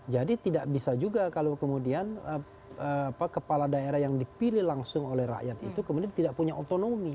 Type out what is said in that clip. jadi tidak bisa juga kalau kemudian kepala daerah yang dipilih langsung oleh rakyat itu kemudian tidak punya otonomi